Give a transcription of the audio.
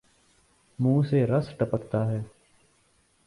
منہ سے رس ٹپکتا ہے